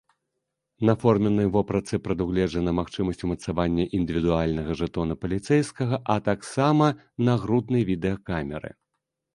На форменнай вопратцы прадугледжана магчымасць умацавання індывідуальнага жэтона паліцэйскага, а таксама нагруднай відэакамеры.